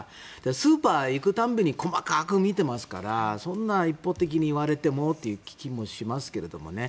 スーパーに行く度に細かく見ていますからそんな一方的に言われてもという気もしますけどね。